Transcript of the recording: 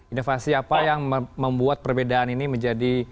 inovasi apa yang membuat perbedaan ini menjadi